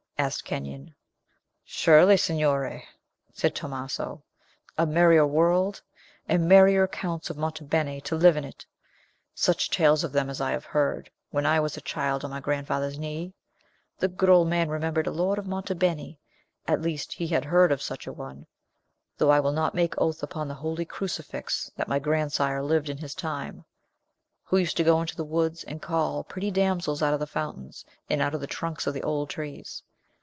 asked Kenyon. "Surely, Signore," said Tomaso; "a merrier world, and merrier Counts of Monte Beni to live in it! Such tales of them as I have heard, when I was a child on my grandfather's knee! The good old man remembered a lord of Monte Beni at least, he had heard of such a one, though I will not make oath upon the holy crucifix that my grandsire lived in his time who used to go into the woods and call pretty damsels out of the fountains, and out of the trunks of the old trees.